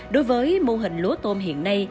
đối với mô hình lúa tôm hiện nay